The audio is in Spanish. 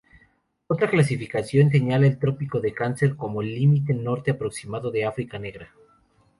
Otra clasificación señala el trópico de Cáncer como límite norte aproximado de África negra.